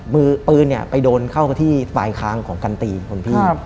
มือปืนไปโดนเข้าที่สายคางของกันตีขนพี่